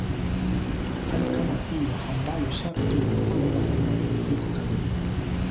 Hali kama hiyo ambayo sharti ni kwamba ya mapumziko kamili.